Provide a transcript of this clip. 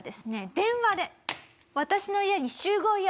電話で「私の家に集合よ」。